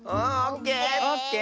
オッケー。